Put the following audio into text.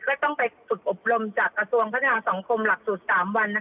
ก็ต้องไปฝึกอบรมจากกระทรวงพัฒนาสังคมหลักสูตร๓วัน